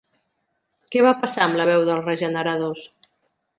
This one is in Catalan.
Què va passar amb la veu dels regeneradors?